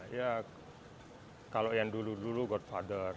ya kalau yang dulu dulu godfather